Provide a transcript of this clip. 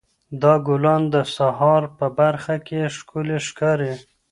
دا ګلان د سهار په پرخه کې ښکلي ښکاري.